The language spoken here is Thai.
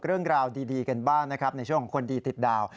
เรื่องราวดีกันบ้างนะครับในช่วงของคนดีติดดาว